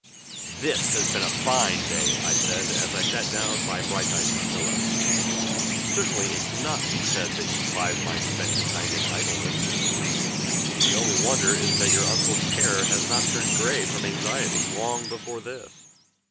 "THIS has been a fine day!" I said, as I sat down by Brighteyes' pillow. "Certainly it cannot be said that you five mice spend your time in idleness. The only wonder is that your uncle's hair has not turned gray from anxiety, long before this.